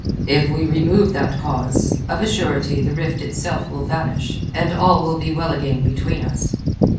"If we remove that cause, of a surety the rift itself will vanish, and all will be well again between us."